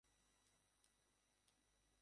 এরা পলির বর্জন নীতি অনুমোদন করে।